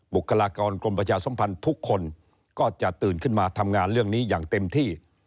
บุคลากรกรมประชาสมพันธ์ทุกคนก็จะตื่นขึ้นมาทำงานเรื่องนี้อย่างเต็มที่